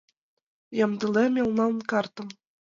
Ямдылем элнан картым